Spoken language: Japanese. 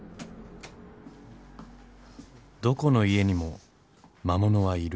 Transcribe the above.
［どこの家にも魔物はいる。］